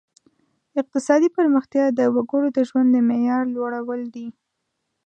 اقتصادي پرمختیا د وګړو د ژوند د معیار لوړول دي.